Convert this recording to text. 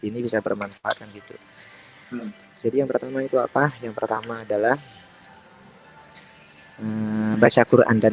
ini bisa bermanfaatkan gitu jadi yang pertama itu apa yang pertama adalah baca quran dan